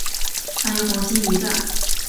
还有黄金鱼蛋